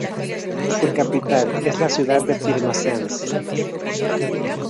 Su capital es la ciudad de Pirmasens.